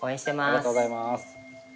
ありがとうございます。